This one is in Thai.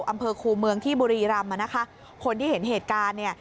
อำเภอคูเมืองที่บุรีรำอ่ะนะคะคนที่เห็นเหตุการณ์เนี่ย